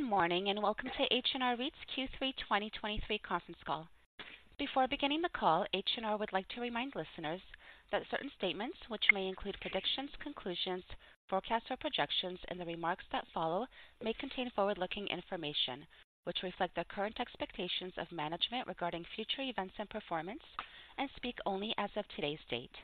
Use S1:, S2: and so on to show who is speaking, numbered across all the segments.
S1: Good morning, and welcome to H&R REIT's Q3 2023 conference call. Before beginning the call, H&R would like to remind listeners that certain statements, which may include predictions, conclusions, forecasts, or projections in the remarks that follow, may contain forward-looking information which reflect the current expectations of management regarding future events and performance and speak only as of today's date.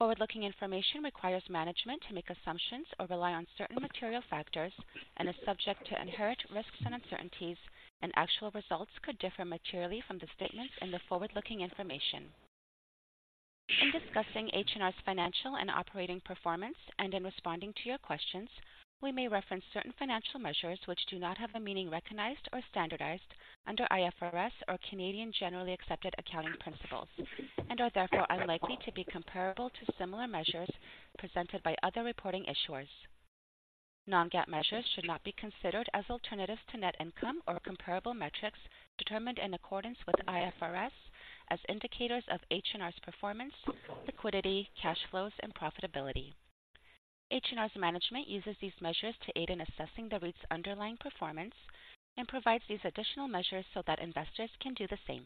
S1: Forward-looking information requires management to make assumptions or rely on certain material factors and is subject to inherent risks and uncertainties, and actual results could differ materially from the statements in the forward-looking information. In discussing H&R's financial and operating performance and in responding to your questions, we may reference certain financial measures which do not have the meaning recognized or standardized under IFRS or Canadian generally accepted accounting principles, and are therefore unlikely to be comparable to similar measures presented by other reporting issuers. Non-GAAP measures should not be considered as alternatives to net income or comparable metrics determined in accordance with IFRS as indicators of H&R's performance, liquidity, cash flows, and profitability. H&R's management uses these measures to aid in assessing the REIT's underlying performance and provides these additional measures so that investors can do the same.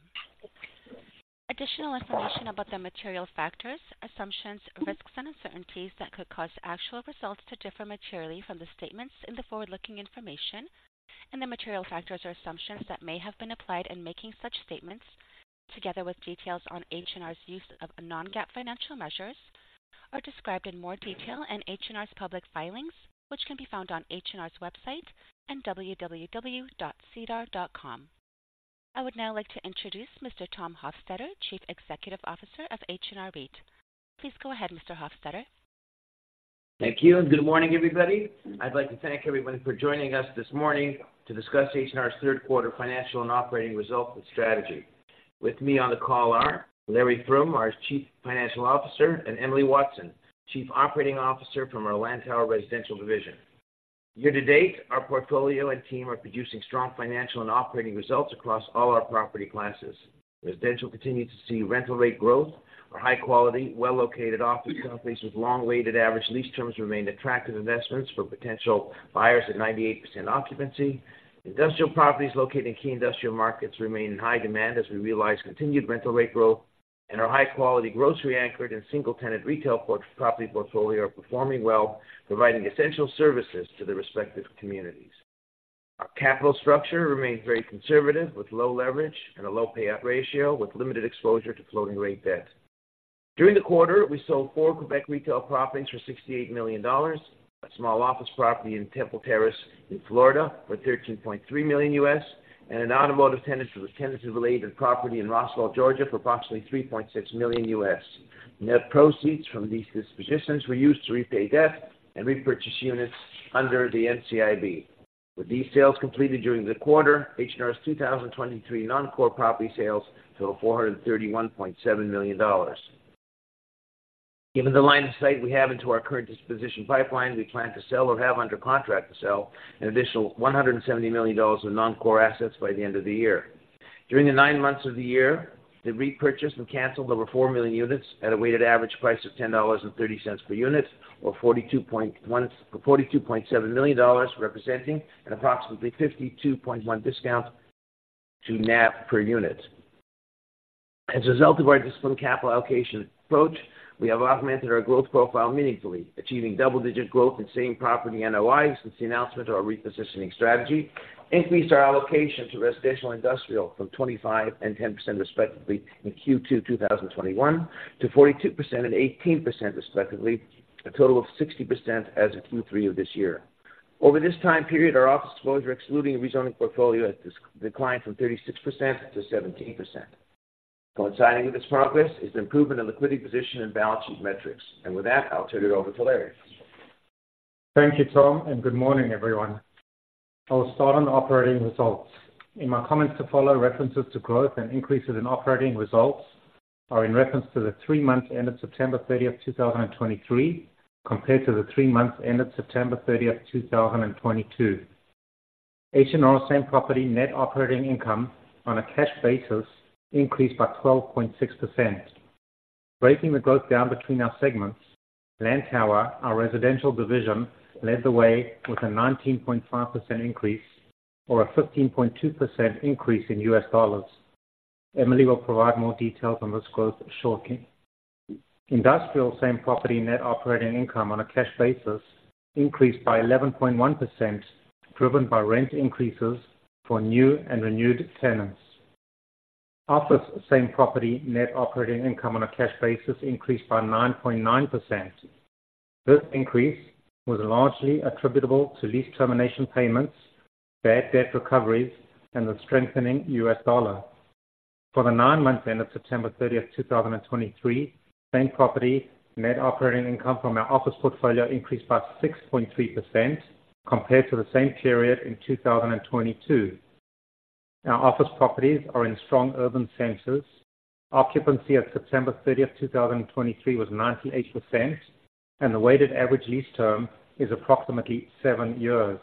S1: Additional information about the material factors, assumptions, risks, and uncertainties that could cause actual results to differ materially from the statements in the forward-looking information and the material factors or assumptions that may have been applied in making such statements, together with details on H&R's use of non-GAAP financial measures, are described in more detail in H&R's public filings, which can be found on H&R's website and www.sedar.com. I would now like to introduce Mr. Tom Hofstedter, Chief Executive Officer of H&R REIT. Please go ahead, Mr. Hofstedter.
S2: Thank you, and good morning, everybody. I'd like to thank everyone for joining us this morning to discuss H&R's Q3 financial and operating results and strategy. With me on the call are Larry Froom, our Chief Financial Officer, and Emily Watson, Chief Operating Officer from our Lantower Residential Division. Year to date, our portfolio and team are producing strong financial and operating results across all our property classes. Residential continues to see rental rate growth. Our high quality, well-located office properties with long-weighted average lease terms remain attractive investments for potential buyers at 98% occupancy. Industrial properties located in key industrial markets remain in high demand as we realize continued rental rate growth, and our high-quality, grocery-anchored and single-tenant retail property portfolio are performing well, providing essential services to the respective communities. Our capital structure remains very conservative, with low leverage and a low payout ratio with limited exposure to floating rate debt. During the quarter, we sold four Quebec retail properties for 68 million dollars, a small office property in Temple Terrace in Florida for $13.3 million, and an automotive tenant with a tenant-related property in Roswell, Georgia, for approximately $3.6 million. Net proceeds from these dispositions were used to repay debt and repurchase units under the NCIB. With these sales completed during the quarter, H&R's 2023 non-core property sales total 431.7 million dollars. Given the line of sight we have into our current disposition pipeline, we plan to sell or have under contract to sell an additional 170 million dollars in non-core assets by the end of the year. During the 9 months of the year, they repurchased and canceled over 4 million units at a weighted average price of 10.30 dollars per unit, or 42.7 million dollars, representing an approximately 52.1% discount to NAV per unit. As a result of our disciplined capital allocation approach, we have augmented our growth profile meaningfully, achieving double-digit growth in same property NOI since the announcement of our repositioning strategy, increased our allocation to residential and industrial from 25% and 10%, respectively, in Q2 2021 to 42% and 18%, respectively, a total of 60% as of Q3 of this year. Over this time period, our office exposure, excluding a rezoning portfolio, has declined from 36% to 17%. Coinciding with this progress is improvement in liquidity position and balance sheet metrics. With that, I'll turn it over to Larry.
S3: Thank you, Tom, and good morning, everyone. I'll start on the operating results. In my comments to follow, references to growth and increases in operating results are in reference to the three months ended September 30, 2023, compared to the three months ended September 30, 2022. H&R same-property net operating income on a cash basis increased by 12.6%. Breaking the growth down between our segments, Lantower, our residential division, led the way with a 19.5% increase or a 15.2% increase in U.S. dollars. Emily will provide more details on this growth shortly. Industrial same-property net operating income on a cash basis increased by 11.1%, driven by rent increases for new and renewed tenants. Office same-property net operating income on a cash basis increased by 9.9%. This increase was largely attributable to lease termination payments, bad debt recoveries, and the strengthening US dollar. For the nine months ended September 30, 2023, same property net operating income from our office portfolio increased by 6.3% compared to the same period in 2022. Our office properties are in strong urban centers. Occupancy at September 30, 2023, was 98%, and the weighted average lease term is approximately seven years.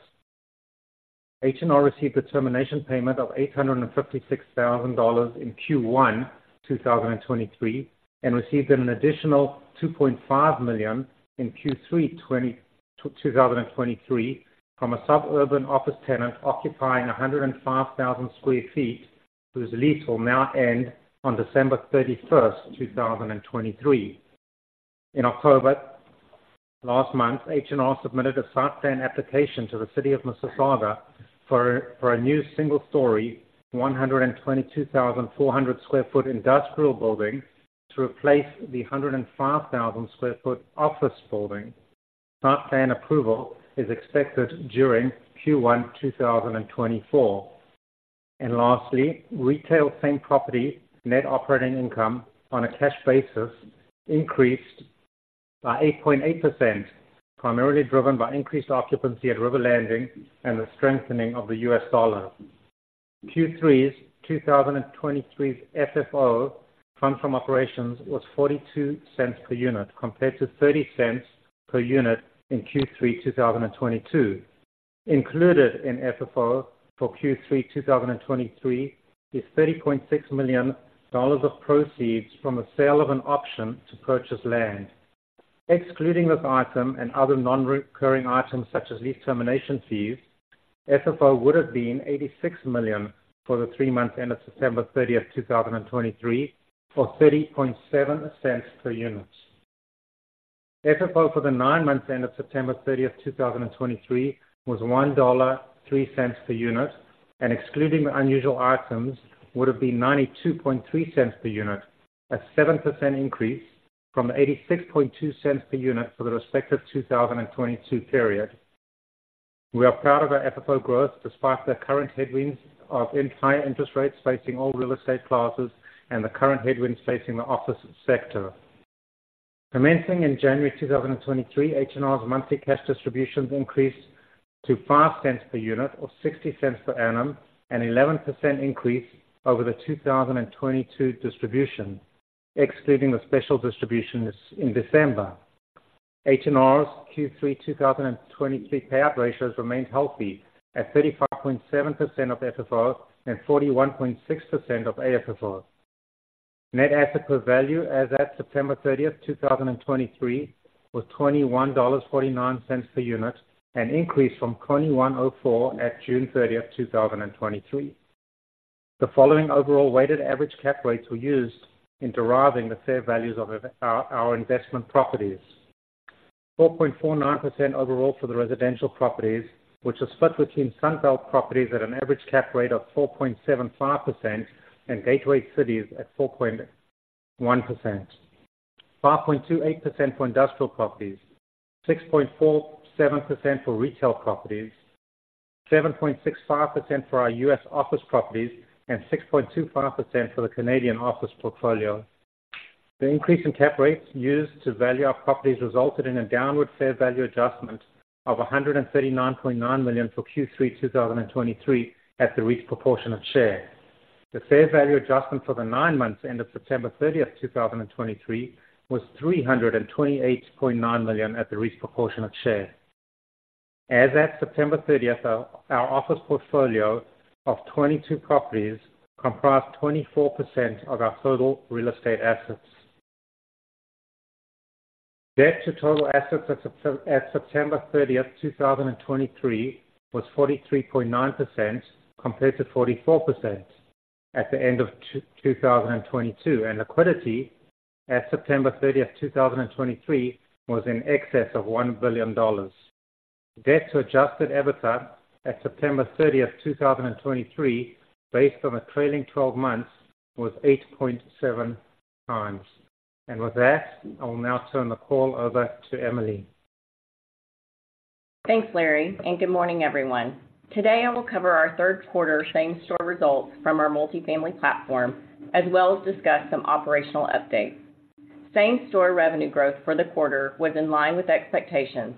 S3: H&R received a termination payment of 856,000 dollars in Q1 2023 and received an additional 2.5 million in Q3 2022 from a suburban office tenant occupying 105,000 sq ft, whose lease will now end on December 31, 2023. In October, last month, H&R submitted a site plan application to the City of Mississauga for a new single-story, 122,400 sq ft industrial building to replace the 105,000 sq ft office building. Site plan approval is expected during Q1 2024. Lastly, retail same-property net operating income on a cash basis increased by 8.8%, primarily driven by increased occupancy at River Landing and the strengthening of the US dollar. Q3 2023's FFO, funds from operations, was 0.42 per unit, compared to 0.30 per unit in Q3 2022. Included in FFO for Q3 2023 is 30.6 million dollars of proceeds from the sale of an option to purchase land. Excluding this item and other non-recurring items, such as lease termination fees, FFO would have been 86 million for the three months ended September 30, 2023, or 0.307 per unit. FFO for the nine months ended September 30, 2023, was 1.03 dollar per unit, and excluding the unusual items, would have been 0.923 per unit, a 7% increase from the 0.862 per unit for the respective 2022 period. We are proud of our FFO growth, despite the current headwinds of higher interest rates facing all real estate classes and the current headwinds facing the office sector. Commencing in January 2023, H&R's monthly cash distributions increased to 0.05 per unit, or 0.60 per annum, an 11% increase over the 2022 distribution, excluding the special distributions in December. H&R's Q3 2023 payout ratios remained healthy at 35.7% of FFO and 41.6% of AFFO. Net asset value as at September 30, 2023, was CAD 21.49 per unit, an increase from 21.04 at June 30, 2023. The following overall weighted average cap rates were used in deriving the fair values of our investment properties. 4.49% overall for the residential properties, which are split between Sunbelt properties at an average cap rate of 4.75% and Gateway Cities at 4.1%. 5.28% for industrial properties, 6.47% for retail properties, 7.65% for our U.S. office properties, and 6.25% for the Canadian office portfolio. The increase in cap rates used to value our properties resulted in a downward fair value adjustment of 139.9 million for Q3 2023, at the REIT's proportionate share. The fair value adjustment for the nine months ended September 30, 2023, was 328.9 million at the REIT's proportionate share. As at September 30, our office portfolio of 22 properties comprised 24% of our total real estate assets. Debt to total assets at September 30, 2023, was 43.9%, compared to 44% at the end of 2022, and liquidity at September 30, 2023, was in excess of 1 billion dollars. Debt to adjusted EBITDA at September 30, 2023, based on the trailing 12 months, was 8.7 times. With that, I will now turn the call over to Emily.
S4: Thanks, Larry, and good morning, everyone. Today, I will cover our Q3 same-store results from our multifamily platform, as well as discuss some operational updates. Same-store revenue growth for the quarter was in line with expectations.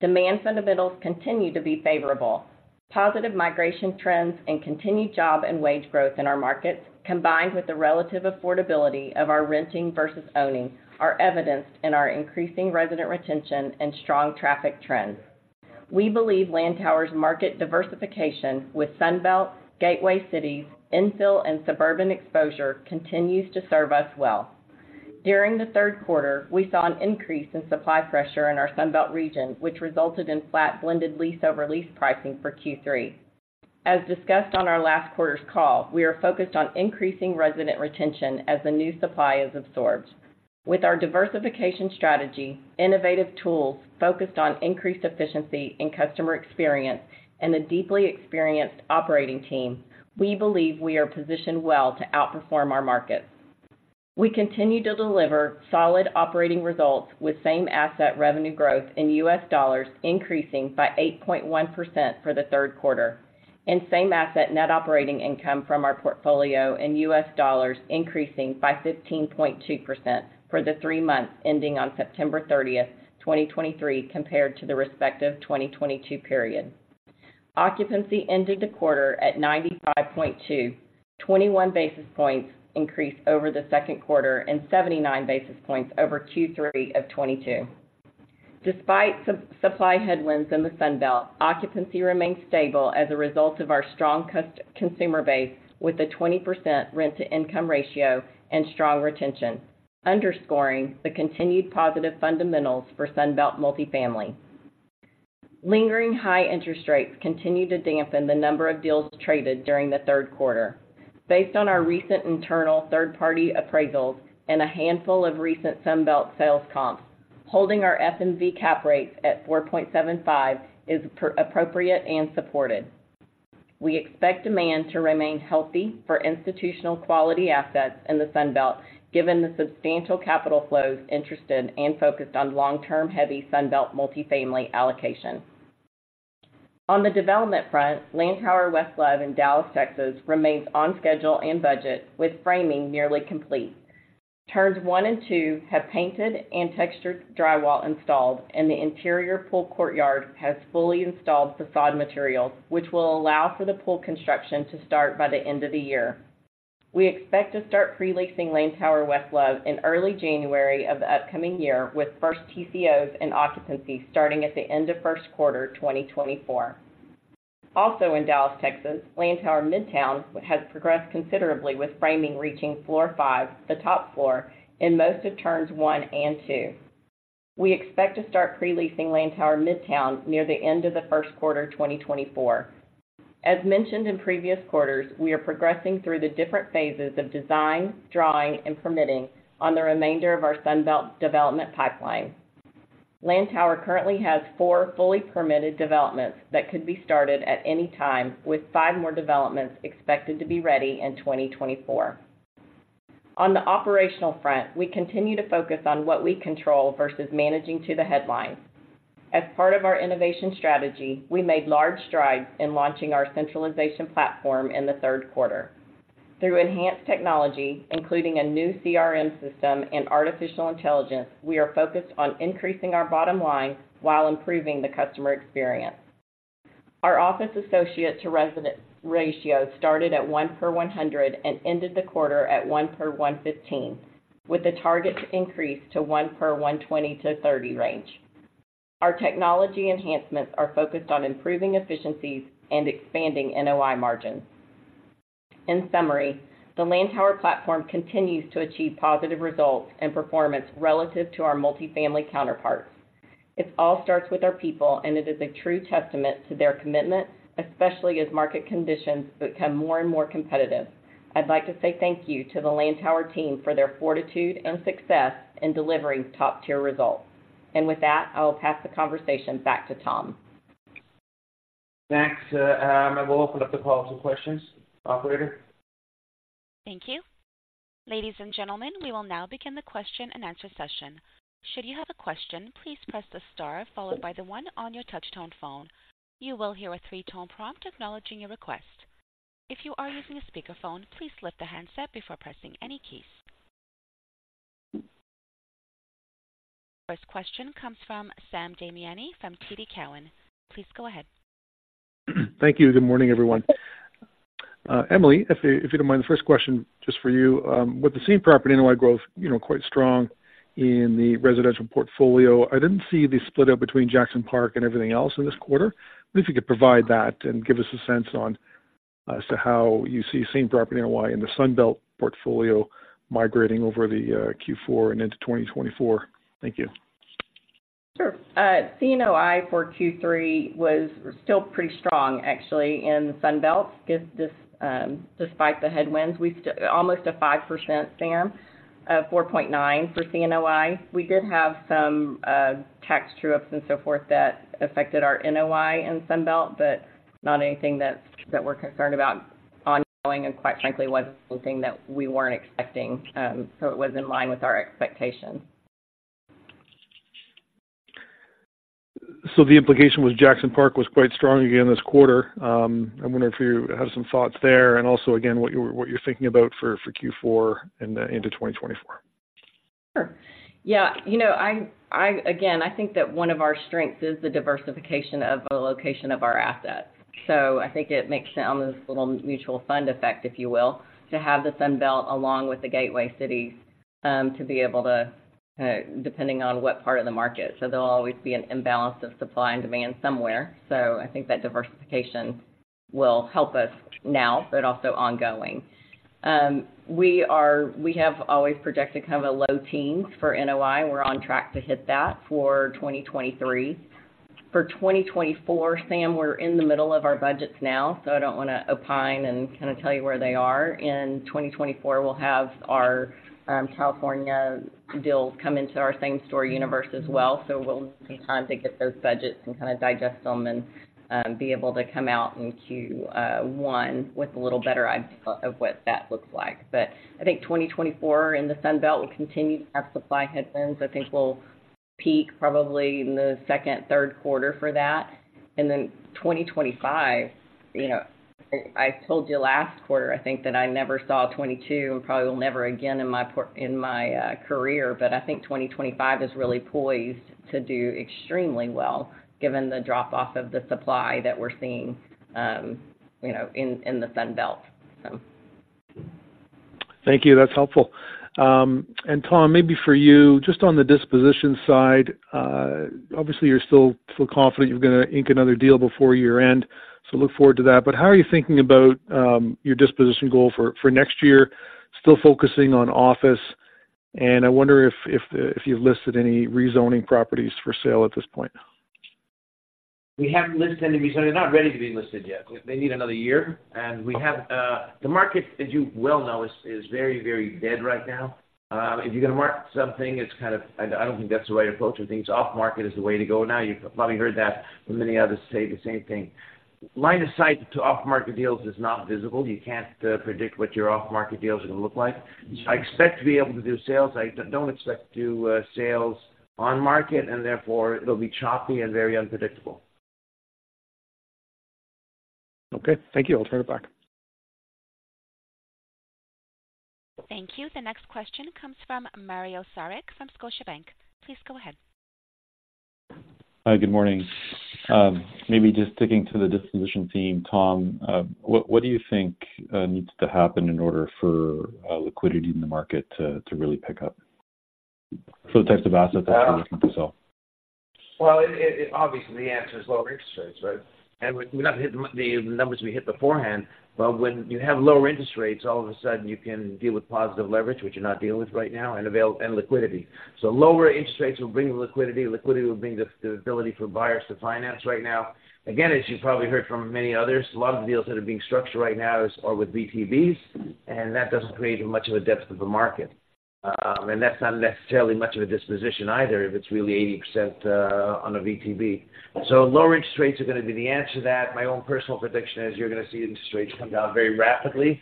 S4: Demand fundamentals continue to be favorable. Positive migration trends and continued job and wage growth in our markets, combined with the relative affordability of our renting versus owning, are evidenced in our increasing resident retention and strong traffic trends. We believe Lantower's market diversification with Sunbelt, Gateway Cities, infill, and suburban exposure continues to serve us well. During the Q3, we saw an increase in supply pressure in our Sunbelt region, which resulted in flat blended lease over lease pricing for Q3. As discussed on our last quarter's call, we are focused on increasing resident retention as the new supply is absorbed. With our diversification strategy, innovative tools focused on increased efficiency and customer experience, and a deeply experienced operating team, we believe we are positioned well to outperform our markets. We continue to deliver solid operating results with same asset revenue growth in US dollars, increasing by 8.1% for the Q3, and same asset net operating income from our portfolio in US dollars, increasing by 15.2% for the three months ending on September 30, 2023, compared to the respective 2022 period. Occupancy ended the quarter at 95.2, 21 basis points increase over the Q2 and 79 basis points over Q3 of 2022. Despite supply headwinds in the Sunbelt, occupancy remains stable as a result of our strong consumer base, with a 20% rent-to-income ratio and strong retention, underscoring the continued positive fundamentals for Sunbelt multifamily. Lingering high interest rates continue to dampen the number of deals traded during the Q3. Based on our recent internal third-party appraisals and a handful of recent Sun Belt sales comps, holding our FMV cap rates at 4.75 is appropriate and supported. We expect demand to remain healthy for institutional quality assets in the Sun Belt, given the substantial capital flows interested and focused on long-term, heavy Sun Belt multifamily allocation. On the development front, Lantower West Love in Dallas, Texas, remains on schedule and budget, with framing nearly complete. Towers one and two have painted and textured drywall installed, and the interior pool courtyard has fully installed facade materials, which will allow for the pool construction to start by the end of the year. We expect to start pre-leasing Lantower West Love in early January of the upcoming year, with first TCOs and occupancy starting at the end of Q1, 2024. Also in Dallas, Texas, Lantower Midtown has progressed considerably, with framing reaching floor five, the top floor, in most of towers one and two. We expect to start pre-leasing Lantower Midtown near the end of the Q1, 2024. As mentioned in previous quarters, we are progressing through the different phases of design, drawing, and permitting on the remainder of our Sun Belt development pipeline. Lantower currently has four fully permitted developments that could be started at any time, with five more developments expected to be ready in 2024. On the operational front, we continue to focus on what we control versus managing to the headlines. As part of our innovation strategy, we made large strides in launching our centralization platform in the Q3. Through enhanced technology, including a new CRM system and artificial intelligence, we are focused on increasing our bottom line while improving the customer experience. Our office associate-to-resident ratio started at 1 per 100 and ended the quarter at 1 per 115, with the target to increase to 1 per 120-130 range. Our technology enhancements are focused on improving efficiencies and expanding NOI margins. In summary, the Lantower platform continues to achieve positive results and performance relative to our multifamily counterparts. It all starts with our people, and it is a true testament to their commitment, especially as market conditions become more and more competitive. I'd like to say thank you to the Lantower team for their fortitude and success in delivering top-tier results. With that, I will pass the conversation back to Tom.
S2: Thanks, and we'll open up the call to questions. Operator?
S1: Ladies and gentlemen, we will now begin the question-and-answer session. First question comes from Sam Damiani from TD Cowen. Please go ahead.
S5: Thank you. Good morning, everyone. Emily, if, if you don't mind, the first question just for you. With the same property NOI growth, you know, quite strong in the residential portfolio, I didn't see the split out between Jackson Park and everything else in this quarter. But if you could provide that and give us a sense on as to how you see same property NOI in the Sun Belt portfolio migrating over the Q4 and into 2024. Thank you.
S4: Sure. CNOI for Q3 was still pretty strong, actually, in the Sunbelt, given this, despite the headwinds, we still almost a 5% Sam, 4.9% for CNOI. We did have some tax true-ups and so forth that affected our NOI in Sunbelt, but not anything that's that we're concerned about ongoing, and quite frankly, was something that we weren't expecting. So it was in line with our expectations.
S5: So the implication was Jackson Park was quite strong again this quarter. I'm wondering if you have some thoughts there and also, again, what you're thinking about for Q4 and into 2024.
S4: Sure. Yeah, you know, I'm, again, I think that one of our strengths is the diversification of the location of our assets. So I think it makes sense, this little mutual fund effect, if you will, to have the Sun Belt, along with the gateway cities, to be able to, depending on what part of the market. So there'll always be an imbalance of supply and demand somewhere. So I think that diversification will help us now, but also ongoing. We have always projected kind of a low teens for NOI. We're on track to hit that for 2023. For 2024, Sam, we're in the middle of our budgets now, so I don't want to opine and kind of tell you where they are. In 2024, we'll have our California deals come into our same store universe as well. So we'll need some time to get those budgets and kind of digest them and be able to come out in Q1 with a little better idea of what that looks like. But I think 2024 in the Sun Belt will continue to have supply headwinds. I think we'll peak probably in the second, Q3 for that. And then 2025, you know, I told you last quarter, I think that I never saw 2022, and probably will never again in my career. But I think 2025 is really poised to do extremely well, given the drop-off of the supply that we're seeing, you know, in the Sun Belt, so.
S5: Thank you. That's helpful. And Tom, maybe for you, just on the disposition side, obviously you still feel confident you're going to ink another deal before year-end, so look forward to that. But how are you thinking about your disposition goal for next year? Still focusing on office? And I wonder if you've listed any rezoning properties for sale at this point?
S2: We haven't listed any rezoning. They're not ready to be listed yet. They need another year, and we have, the market, as you well know, is very, very dead right now. If you're going to market something, it's kind of—I don't think that's the way to approach things. Off market is the way to go now. You've probably heard that, and many others say the same thing. Line of sight to off-market deals is not visible. You can't predict what your off-market deals are going to look like. I expect to be able to do sales. I don't expect to do sales on market, and therefore, it'll be choppy and very unpredictable.
S5: Okay. Thank you. I'll turn it back.
S1: Thank you. The next question comes from Mario Saric from Scotiabank. Please go ahead.
S6: Hi, good morning. Maybe just sticking to the disposition theme, Tom, what do you think needs to happen in order for liquidity in the market to really pick up for the types of assets that you're looking to sell?
S2: Well, obviously, the answer is lower interest rates, right? And we're not hitting the numbers we hit beforehand, but when you have lower interest rates, all of a sudden you can deal with positive leverage, which you're not dealing with right now, and availability and liquidity. So lower interest rates will bring liquidity. Liquidity will bring the ability for buyers to finance right now. Again, as you've probably heard from many others, a lot of the deals that are being structured right now are with VTBs, and that doesn't create much of a depth of a market. And that's not necessarily much of a disposition either, if it's really 80% on a VTB. So lower interest rates are going to be the answer to that. My own personal prediction is you're going to see interest rates come down very rapidly,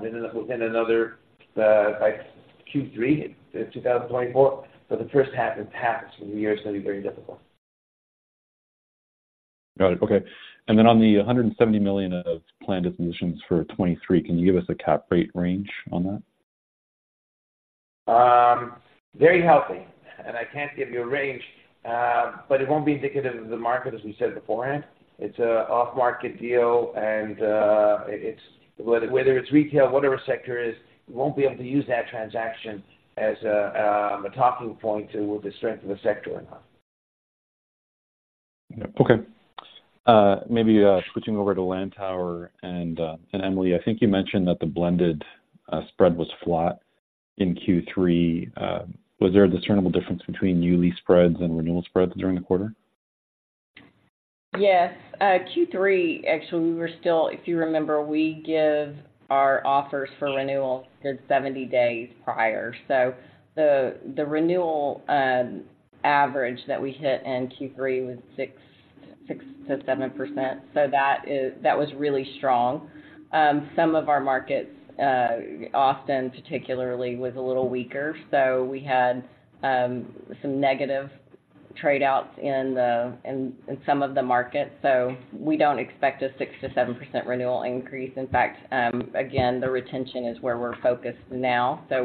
S2: within another by Q3 2024. So the H1 of the year is going to be very difficult.
S6: Got it. Okay. And then on the 170 million of planned dispositions for 2023, can you give us a cap rate range on that?
S2: Very healthy, and I can't give you a range. But it won't be indicative of the market, as we said beforehand. It's an off-market deal, and it's whether it's retail, whatever sector it is, you won't be able to use that transaction as a talking point to the strength of the sector or not.
S6: Okay. Maybe, switching over to Lantower and, and Emily, I think you mentioned that the blended spread was flat in Q3. Was there a discernible difference between new lease spreads and renewal spreads during the quarter?
S4: Yes. Q3, actually, we were still. If you remember, we give our offers for renewals at 70 days prior. So the renewal average that we hit in Q3 was 6%-7%, so that is. That was really strong. Some of our markets, often particularly, was a little weaker, so we had some negative trade outs in the in some of the markets, so we don't expect a 6%-7% renewal increase. In fact, again, the retention is where we're focused now. So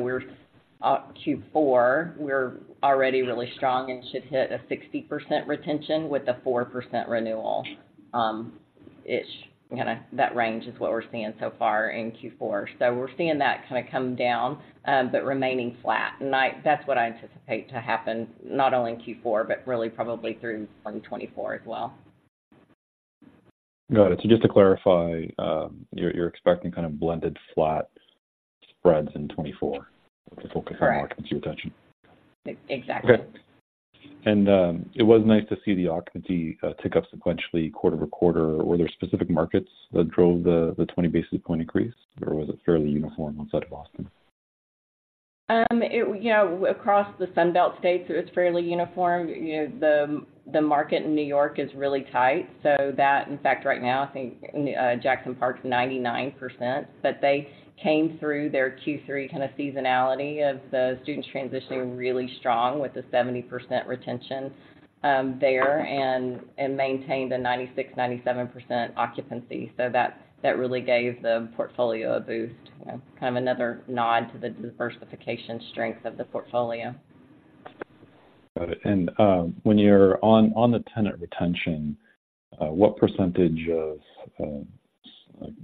S4: Q4, we're already really strong and should hit a 60% retention with a 4% renewal ish. Kinda that range is what we're seeing so far in Q4. So we're seeing that kind of come down but remaining flat. That's what I anticipate to happen not only in Q4, but really probably through 2024 as well.
S6: Got it. So just to clarify, you're expecting kind of blended flat spreads in 2024-
S4: Correct.
S6: to focus on markets retention?
S4: Ex-exactly.
S6: Okay. And, it was nice to see the occupancy tick up sequentially quarter over quarter. Were there specific markets that drove the 20 basis point increase, or was it fairly uniform outside of Boston?
S4: Yeah, across the Sunbelt states, it's fairly uniform. You know, the market in New York is really tight, so that in fact, right now, I think, Jackson Park is 99%. But they came through their Q3 kind of seasonality of the students transitioning really strong, with a 70% retention there, and maintained a 96%-97% occupancy. So that really gave the portfolio a boost. You know, kind of another nod to the diversification strength of the portfolio.
S6: Got it. And, when you're on the tenant retention, what percentage of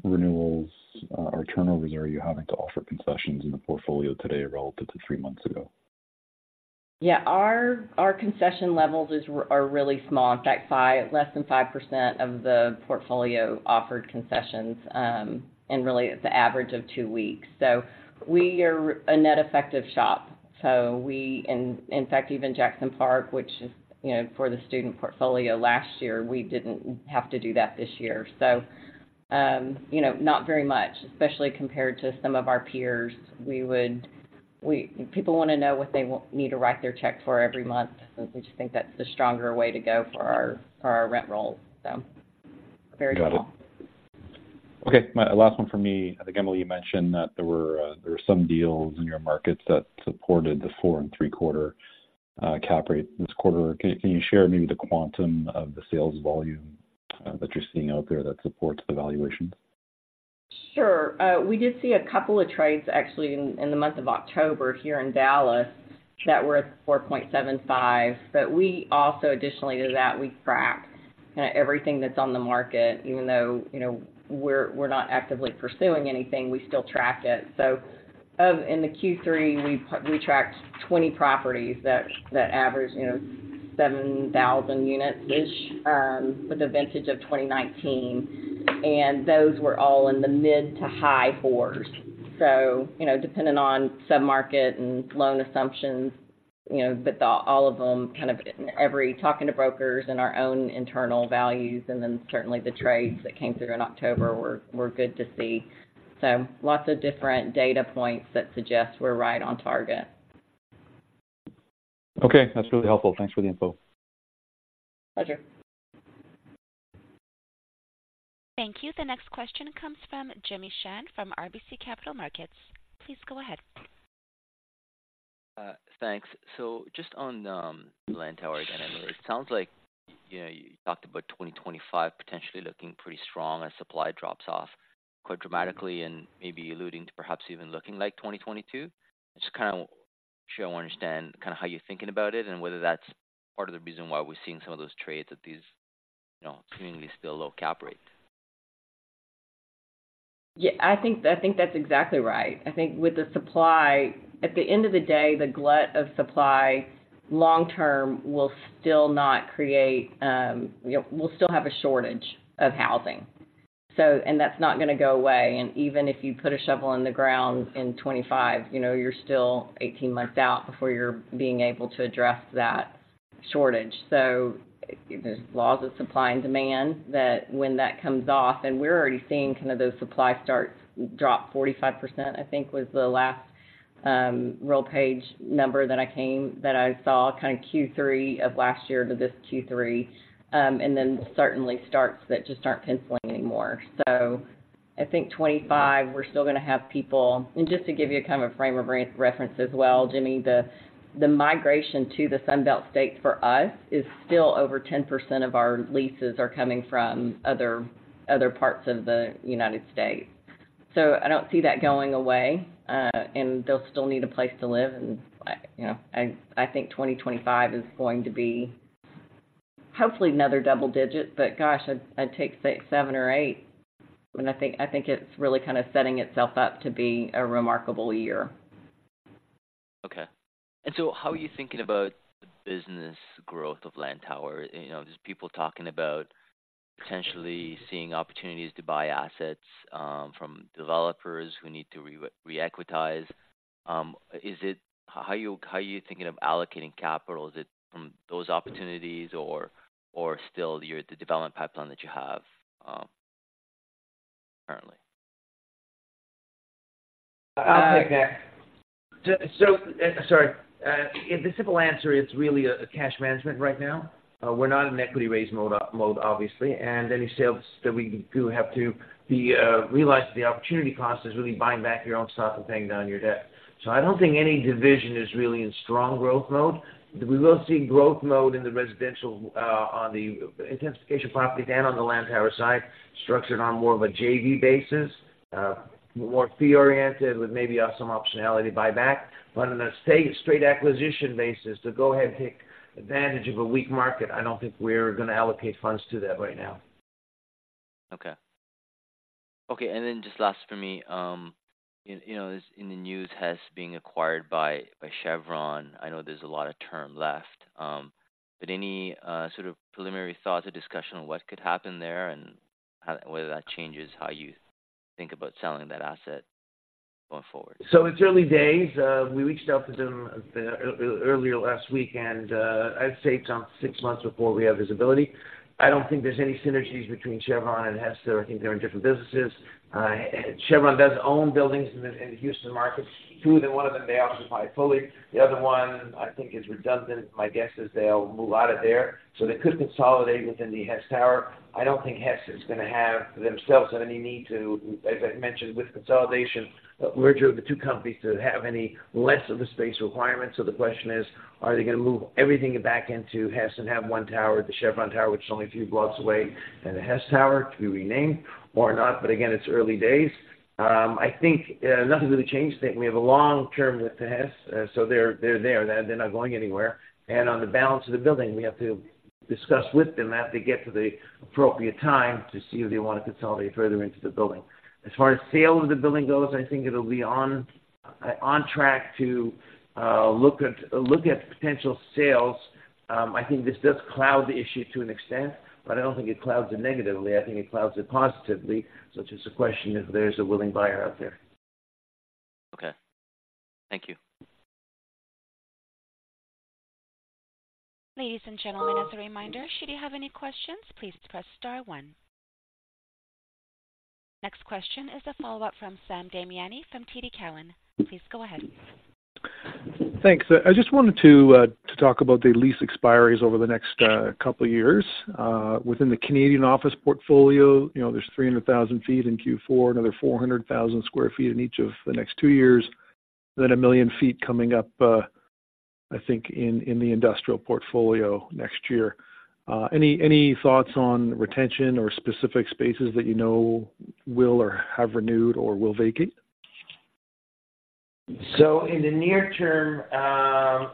S6: renewals or turnovers are you having to offer concessions in the portfolio today relative to three months ago?
S4: Yeah, our concession levels are really small. In fact, less than 5% of the portfolio offered concessions, and really it's an average of two weeks. So we are a net effective shop, so we... And in fact, even Jackson Park, which is, you know, for the student portfolio last year, we didn't have to do that this year. So, you know, not very much, especially compared to some of our peers. People want to know what they need to write their check for every month. We just think that's the stronger way to go for our rent rolls, so very cool.
S6: Got it. Okay, my last one for me. I think, Emily, you mentioned that there were some deals in your markets that supported the 4.75% cap rate this quarter. Can you share maybe the quantum of the sales volume that you're seeing out there that supports the valuations?
S4: Sure. We did see a couple of trades actually in the month of October here in Dallas, that were at 4.75. But we also additionally to that, we tracked kind of everything that's on the market. Even though, you know, we're not actively pursuing anything, we still track it. So in the Q3, we tracked 20 properties that average, you know, 7,000 units-ish, with a vintage of 2019, and those were all in the mid- to high 4s. So, you know, depending on submarket and loan assumptions, you know, but, all of them kind of every talking to brokers and our own internal values, and then certainly the trades that came through in October were good to see. So lots of different data points that suggest we're right on target.
S5: Okay, that's really helpful. Thanks for the info.
S4: Pleasure.
S1: Thank you. The next question comes from Jimmy Shan from RBC Capital Markets. Please go ahead.
S7: Thanks. So just on, Lantower again, I know it sounds like, you know, you talked about 2025 potentially looking pretty strong as supply drops off quite dramatically and maybe alluding to perhaps even looking like 2022. Just kind of sure I understand kind of how you're thinking about it and whether that's part of the reason why we're seeing some of those trades at these, you know, seemingly still low cap rate.
S4: Yeah, I think, I think that's exactly right. I think with the supply, at the end of the day, the glut of supply long-term will still not create, you know, we'll still have a shortage of housing. So... And that's not going to go away, and even if you put a shovel on the ground in 2025, you know, you're still 18 months out before you're being able to address that shortage. So there's laws of supply and demand that when that comes off, and we're already seeing kind of those supply starts drop 45%, I think was the last, real page number that I came, that I saw, kind of Q3 of last year to this Q3. And then certainly starts that just aren't penciling anymore. So I think 2025, we're still going to have people... Just to give you a kind of frame of reference as well, Jimmy, the migration to the Sunbelt states for us is still over 10% of our leases are coming from other parts of the United States. So I don't see that going away, and they'll still need a place to live, and, you know, I think 2025 is going to be hopefully another double digits, but gosh, I'd take six, seven, or eight, and I think it's really kind of setting itself up to be a remarkable year.
S7: Okay. And so how are you thinking about the business growth of Lantower? You know, there's people talking about potentially seeing opportunities to buy assets from developers who need to re-equitize. Is it? How are you thinking of allocating capital? Is it from those opportunities or still the development pipeline that you have currently?
S2: I'll take that. So, sorry. The simple answer is really a cash management right now. We're not in equity raise mode, obviously, and any sales that we do have to realize that the opportunity cost is really buying back your own stock and paying down your debt. So I don't think any division is really in strong growth mode. We will see growth mode in the residential, on the intensification property and on the Lantower side, structured on more of a JV basis, more fee-oriented with maybe some optionality buyback. But on a straight acquisition basis, to go ahead and take advantage of a weak market, I don't think we're going to allocate funds to that right now.
S7: Okay. Okay, and then just last for me, you know, as in the news, Hess being acquired by, by Chevron, I know there's a lot of term left, but any sort of preliminary thoughts or discussion on what could happen there and how, whether that changes how you think about selling that asset going forward?
S2: So it's early days. We reached out to them earlier last week, and I'd say it's around six months before we have visibility. I don't think there's any synergies between Chevron and Hess. I think they're in different businesses. Chevron does own buildings in the Houston markets. Two of them, one of them, they occupy fully. The other one, I think, is redundant. My guess is they'll move out of there, so they could consolidate within the Hess Tower. I don't think Hess is going to have themselves any need to... As I mentioned, with consolidation, merger of the two companies to have any less of a space requirement. So the question is, are they going to move everything back into Hess and have one tower, the Chevron Tower, which is only a few blocks away, and the Hess Tower to be renamed or not? But again, it's early days. I think nothing really changed. I think we have a long term with the Hess, so they're there; they're not going anywhere. And on the balance of the building, we have to discuss with them as they get to the appropriate time to see if they want to consolidate further into the building. As far as sale of the building goes, I think it'll be on track to look at potential sales. I think this does cloud the issue to an extent, but I don't think it clouds it negatively. I think it clouds it positively, such as the question if there's a willing buyer out there.
S7: Okay. Thank you.
S1: Next question is a follow-up from Sam Damiani from TD Cowen. Please go ahead.
S5: Thanks. I just wanted to talk about the lease expiries over the next couple of years. Within the Canadian office portfolio, you know, there's 300,000 sq ft in Q4, another 400,000 sq ft in each of the next two years, then 1,000,000 sq ft coming up, I think in the industrial portfolio next year. Any thoughts on retention or specific spaces that you know will or have renewed or will vacate?
S2: So in the near term,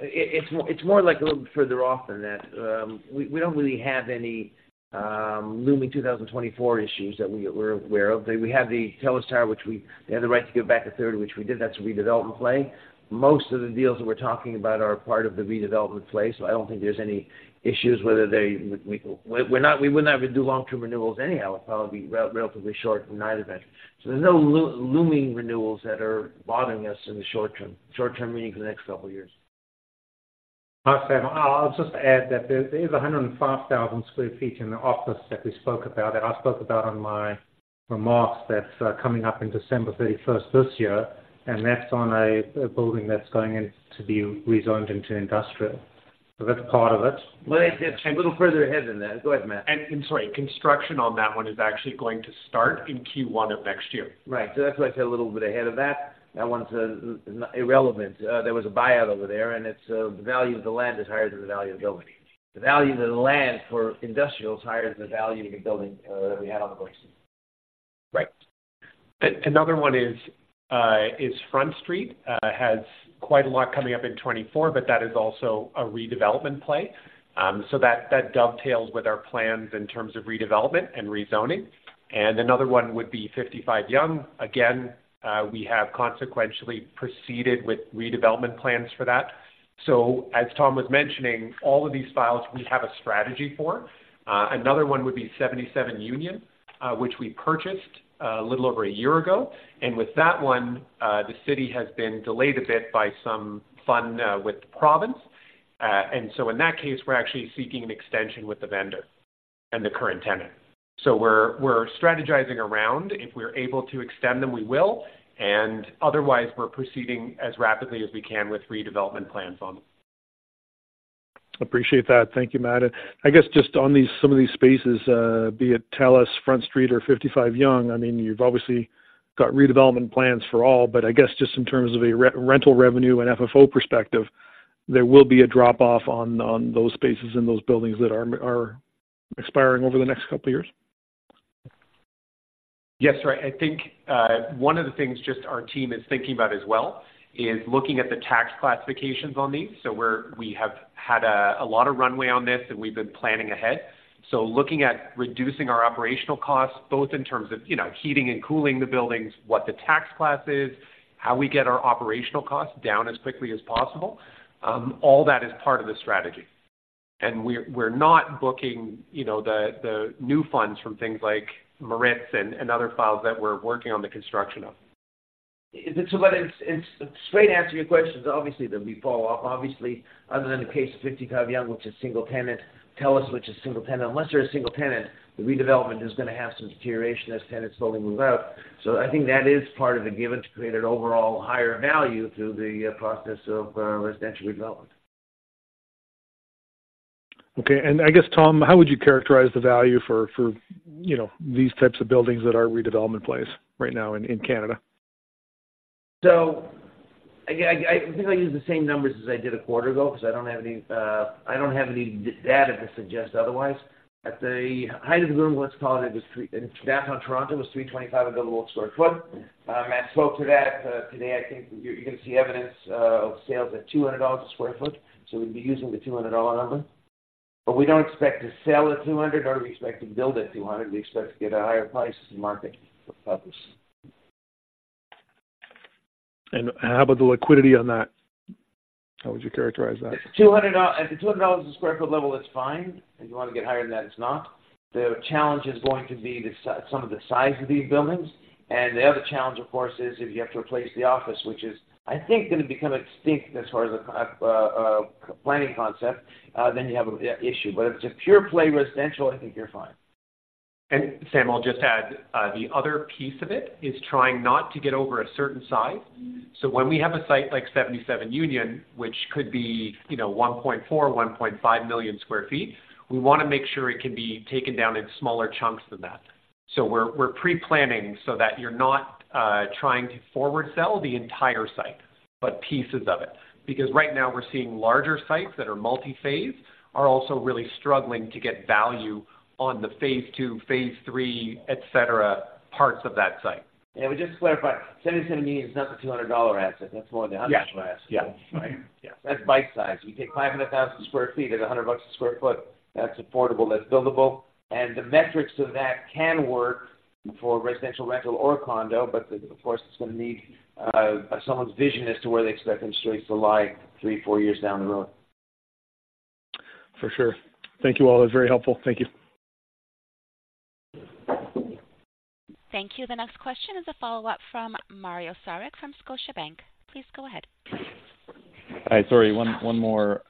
S2: it's more like a little bit further off than that. We don't really have any looming 2024 issues that we're aware of. We have the Telus Tower. They have the right to give back a third, which we did. That's a redevelopment play. Most of the deals that we're talking about are part of the redevelopment play, so I don't think there's any issues whether they, we, we're not-- we would not do long-term renewals anyhow. It's probably relatively short in either event. So there's no looming renewals that are bothering us in the short term. Short term, meaning the next couple of years.
S8: I'll just add that there is 105,000 sq ft in the office that we spoke about, that I spoke about on my remarks, that's coming up in December 31st, this year, and that's on a building that's going to be rezoned into industrial. So that's part of it.
S2: Well, it's a little further ahead than that. Go ahead, Matt.
S8: I'm sorry, construction on that one is actually going to start in Q1 of next year.
S2: Right. So that's why I said a little bit ahead of that. That one's irrelevant. There was a buyout over there, and it's the value of the land is higher than the value of the building. The value of the land for industrial is higher than the value of the building that we had on the books.
S8: Right. Another one is Front Street, has quite a lot coming up in 2024, but that is also a redevelopment play. So that, that dovetails with our plans in terms of redevelopment and rezoning. Another one would be 55 Yonge. Again, we have consequently proceeded with redevelopment plans for that. So as Tom was mentioning, all of these files we have a strategy for. Another one would be 77 Union, which we purchased a little over a year ago, and with that one, the city has been delayed a bit by some friction with the province. And so in that case, we're actually seeking an extension with the vendor and the current tenant. So we're, we're strategizing around. If we're able to extend them, we will, and otherwise, we're proceeding as rapidly as we can with redevelopment plans on them.
S5: Appreciate that. Thank you, Matt. I guess just on these, some of these spaces, be it Telus, Front Street, or 55 Yonge, I mean, you've obviously got redevelopment plans for all, but I guess just in terms of a re-rental revenue and FFO perspective, there will be a drop-off on, on those spaces in those buildings that are, are expiring over the next couple of years?
S8: Yes, right. I think one of the things just our team is thinking about as well is looking at the tax classifications on these. So we have had a lot of runway on this, and we've been planning ahead. So looking at reducing our operational costs, both in terms of, you know, heating and cooling the buildings, what the tax class is, how we get our operational costs down as quickly as possible. All that is part of the strategy. And we're not booking, you know, the new funds from things like Maritz and other files that we're working on the construction of.
S2: Is it so, but it's, it's straight answer your question, obviously, there'll be fall off. Obviously, other than the case of 55 Yonge, which is single tenant, Telus, which is single tenant. Unless they're a single tenant, the redevelopment is going to have some deterioration as tenants slowly move out. So I think that is part of the given to create an overall higher value through the process of residential development.
S5: Okay. I guess, Tom, how would you characterize the value for, you know, these types of buildings that are redevelopment plays right now in Canada?
S2: So I think I'll use the same numbers as I did a quarter ago, because I don't have any data to suggest otherwise. At the height of the boom, let's call it, it was 325 available sq ft. Matt spoke to that today. I think you're going to see evidence of sales at 200 dollars a sq ft, so we'd be using the 200 dollar number. But we don't expect to sell at 200, or we expect to build at 200. We expect to get a higher price in the market for purpose.
S5: How about the liquidity on that? How would you characterize that?
S2: At the 200 dollars a sq ft level, it's fine. If you want to get higher than that, it's not. The challenge is going to be some of the size of these buildings, and the other challenge, of course, is if you have to replace the office, which is, I think, going to become extinct as far as a planning concept, then you have an issue. But if it's a pure play residential, I think you're fine.
S8: Sam, I'll just add, the other piece of it is trying not to get over a certain size. So when we have a site like 77 Union, which could be, you know, 1.4-1.5 million sq ft, we want to make sure it can be taken down in smaller chunks than that. So we're, we're pre-planning so that you're not, trying to forward sell the entire site, but pieces of it. Because right now we're seeing larger sites that are multi-phase, are also really struggling to get value on the phase II, phase II, et cetera, parts of that site.
S2: Yeah, we just clarify. 77 Union is not the 200 dollar asset. That's more of the 100 dollars asset.
S8: Yeah, yeah. Right? Yeah.
S2: That's bite-size. We take 500,000 sq ft at $100 a sq ft. That's affordable, that's buildable, and the metrics of that can work for residential, rental or condo, but of course, it's going to need someone's vision as to where they expect interest rates to lie three, four years down the road.
S5: For sure. Thank you, all. That's very helpful. Thank you.
S1: Thank you. The next question is a follow-up from Mario Saric from Scotiabank. Please go ahead.
S6: Hi, sorry, one more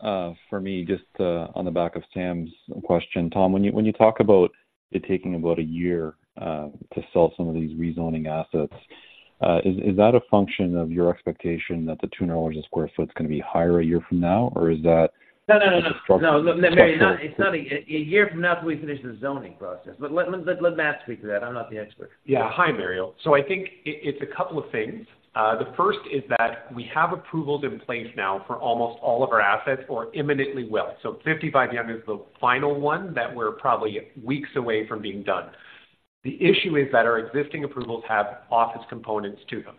S6: for me, just on the back of Sam's question. Tom, when you talk about it taking about a year to sell some of these rezoning assets, is that a function of your expectation that the $200 sq ft is going to be higher a year from now, or is that-
S2: No, no, no, no. Structure. No, it's not a year from now till we finish the zoning process. But let Matt speak to that. I'm not the expert.
S8: Yeah. Hi, Mario. So I think it's a couple of things. The first is that we have approvals in place now for almost all of our assets or imminently will. So 55 Yonge is the final one that we're probably weeks away from being done. The issue is that our existing approvals have office components to them,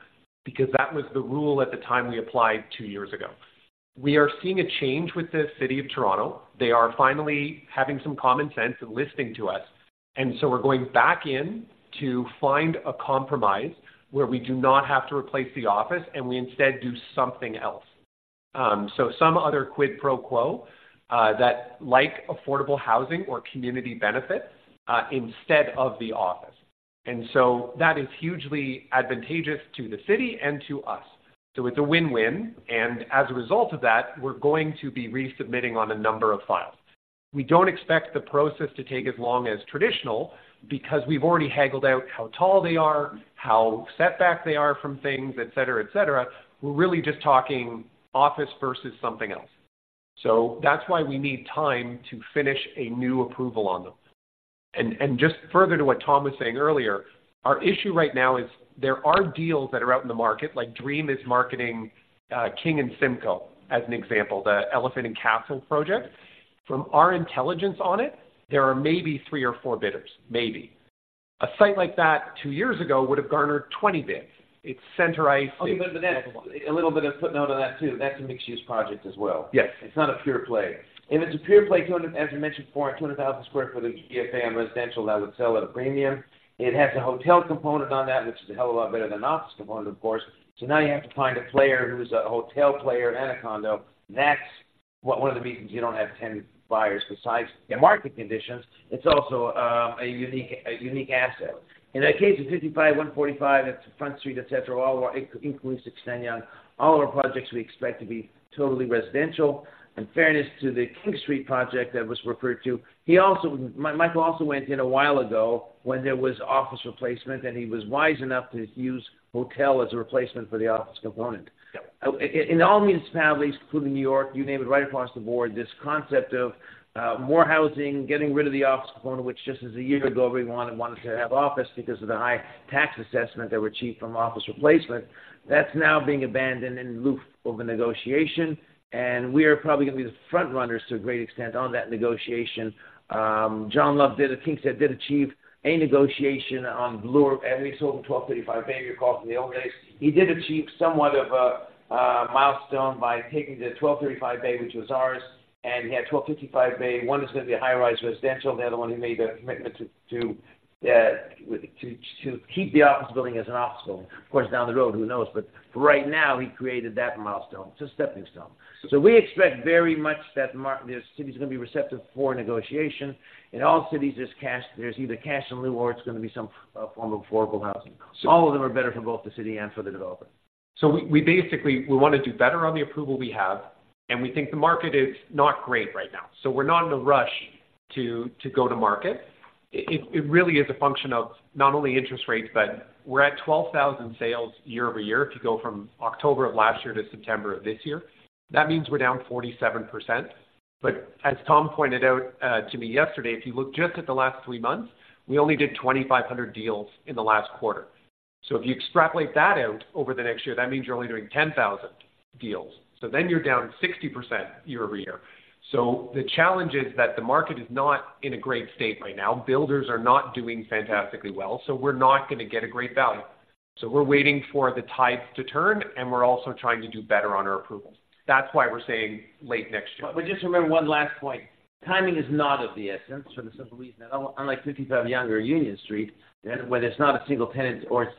S8: because that was the rule at the time we applied two years ago. We are seeing a change with the City of Toronto. They are finally having some common sense and listening to us, and so we're going back in to find a compromise where we do not have to replace the office and we instead do something else. So some other quid pro quo, that like affordable housing or community benefits, instead of the office. And so that is hugely advantageous to the City and to us. So it's a win-win, and as a result of that, we're going to be resubmitting on a number of files. We don't expect the process to take as long as traditional, because we've already haggled out how tall they are, how set back they are from things, et cetera, et cetera. We're really just talking office versus something else. So that's why we need time to finish a new approval on them. And just further to what Tom was saying earlier, our issue right now is there are deals that are out in the market, like Dream is marketing, King and Simcoe, as an example, the Elephant and Castle project. From our intelligence on it, there are maybe three or four bidders, maybe. A site like that two years ago would have garnered 20 bids. It's center ice-
S2: Okay, but that's a little bit of footnote on that, too. That's a mixed-use project as well.
S8: Yes.
S2: It's not a pure play. If it's a pure play, 200, as you mentioned before, 200,000 sq ft of GFA and residential, that would sell at a premium. It has a hotel component on that, which is a hell of a lot better than an office component, of course. So now you have to find a player who's a hotel player and a condo. That's one, one of the reasons you don't have 10 buyers. Besides the market conditions, it's also a unique, a unique asset. In that case, the 55, 145, it's Front Street, et cetera, all including 69 Yonge. All of our projects, we expect to be totally residential. In fairness to the King Street project that was referred to, he also, Michael also went in a while ago when there was office replacement, and he was wise enough to use hotel as a replacement for the office component.
S8: Yep.
S2: In all municipalities, including New York, you name it, right across the board, this concept of more housing, getting rid of the office component, which just as a year ago, everyone wanted to have office because of the high tax assessment that were achieved from office replacement, that's now being abandoned in lieu of a negotiation, and we are probably going to be the front runners to a great extent on that negotiation. John Love did at KingSett did achieve a negotiation on Bloor, and he sold them 1235 Bay, you recall from the old days. He did achieve somewhat of a milestone by taking the 1235 Bay, which was ours, and he had 1255 Bay. One is going to be a high-rise residential, the other one, he made a commitment to keep the office building as an office building. Of course, down the road, who knows? But for right now, he created that milestone. It's a stepping stone. So we expect very much that mark, the city is going to be receptive for negotiation. In all cities, there's cash, there's either cash in lieu, or it's going to be some form of affordable housing. So all of them are better for both the city and for the developer.
S8: So we basically want to do better on the approval we have, and we think the market is not great right now. So we're not in a rush to go to market. It really is a function of not only interest rates, but we're at 12,000 sales year-over-year, to go from October of last year to September of this year. That means we're down 47%. But as Tom pointed out to me yesterday, if you look just at the last three months, we only did 2,500 deals in the last quarter. So if you extrapolate that out over the next year, that means you're only doing 10,000 deals, so then you're down 60% year-over-year. So the challenge is that the market is not in a great state right now. Builders are not doing fantastically well, so we're not going to get a great value. So we're waiting for the tides to turn, and we're also trying to do better on our approvals. That's why we're saying late next year.
S2: But just remember one last point. Timing is not of the essence for the simple reason that unlike 55 Yonge or Union Street, where there's not a single tenant or Telus,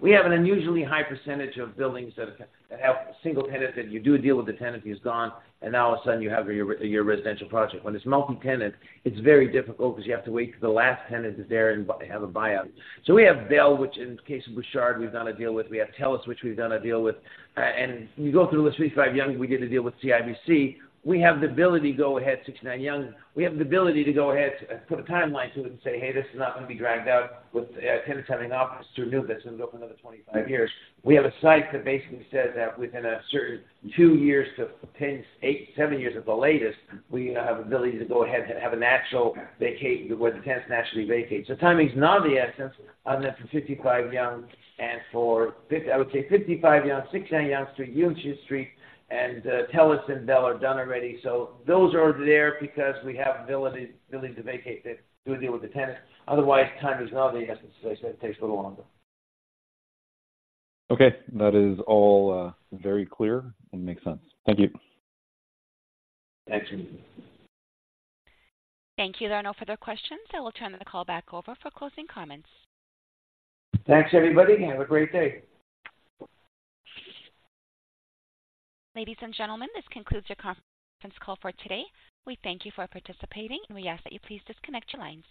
S2: we have an unusually high percentage of buildings that have a single tenant, that you do a deal with the tenant, he's gone, and now all of a sudden, you have your residential project. When it's multi-tenant, it's very difficult because you have to wait till the last tenant is there and have a buyout. So we have Bell, which in the case of Bouchard, we've done a deal with. We have Telus, which we've done a deal with. And you go through the list, 55 Yonge, we did a deal with CIBC. We have the ability to go ahead, 69 Yonge. We have the ability to go ahead, put a timeline to it and say, hey, this is not going to be dragged out with, tenants having office to renew this, and open another 25 years. We have a site that basically says that within a certain two years to 10, eight, seven years at the latest, we have ability to go ahead and have a natural vacate, where the tenants naturally vacate. So timing is not of the essence, other than for 55 Yonge and for I would say 55 Yonge, 69 Yonge Street, Yonge Street, and, Telus and Bell are done already. So those are there because we have ability, ability to vacate, to do a deal with the tenant. Otherwise, time is not of the essence. As I said, it takes a little longer.
S6: Okay, that is all, very clear and makes sense. Thank you.
S2: Thanks.
S1: Thank you. There are no further questions, I will turn the call back over for closing comments.
S2: Thanks, everybody. Have a great day.
S1: Ladies and gentlemen, this concludes your conference call for today. We thank you for participating, and we ask that you please disconnect your lines.